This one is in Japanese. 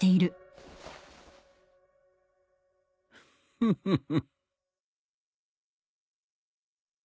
フフフ。